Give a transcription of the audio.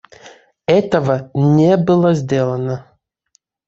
Этого не было сделано.